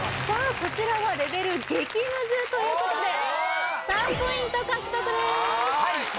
こちらはレベル激ムズということで３ポイント獲得でーすはいきた！